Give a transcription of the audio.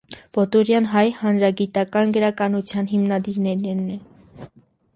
Պոտուրեան հայ հանրագիտական գրականութեան հիմնադիրներէն է։